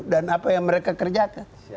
dan apa yang mereka kerjakan